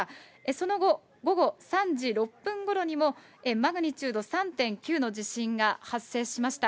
その後、午後３時６分ごろにも、マグニチュード３．９の地震が発生しました。